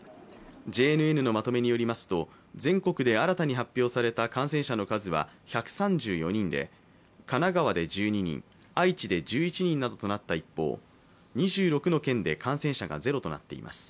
ＪＮＮのまとめによりますと、全国で新たに発表された感染者の数は１３４人で神奈川で１２人、愛知で１１人などとなった一方、２６の県で感染者がゼロとなっています。